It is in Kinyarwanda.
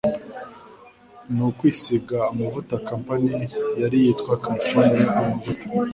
Ni Ukwisiga Amavuta Company yar yitwa "California Amavuta ?